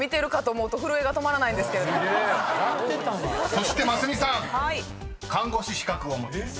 ［そしてますみさん看護師資格をお持ちです］